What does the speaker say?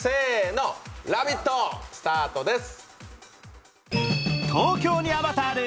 「ラヴィット！」スタートです。